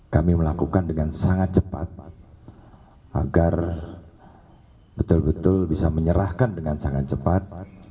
kami melakukan dengan sangat cepat agar betul betul bisa menyerahkan dengan sangat cepat